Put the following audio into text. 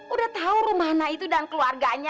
udah tahu rumahnya itu dan keluarganya